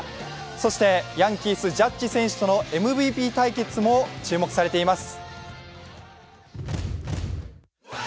そしてヤンキース・ジャッジ選手とのＭＶＰ対決も注目されています。